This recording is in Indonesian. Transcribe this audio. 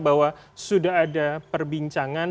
bahwa sudah ada perbincangan